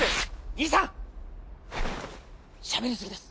兄さんしゃべりすぎです！